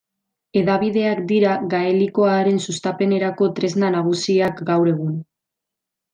Hedabideak dira gaelikoaren sustapenerako tresna nagusiak gaur egun.